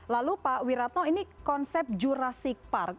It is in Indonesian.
lalu pak wiratno ini konsep jurasik park